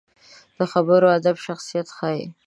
د خبرو ادب شخصیت ښيي